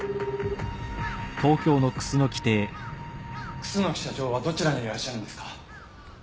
楠木社長はどちらにいらっしゃるんですか？